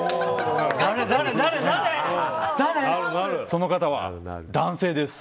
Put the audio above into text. その方は男性です。